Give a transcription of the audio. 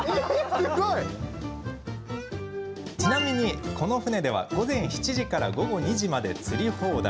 ちなみに、この船では午前７時から午後２時まで釣り放題。